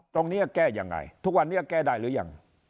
ตรงนี้แก้ยังไงทุกวันนี้เกียร์ได้หรือยัง